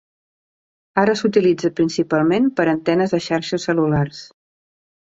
Ara s'utilitza principalment per a antenes de xarxes cel·lulars.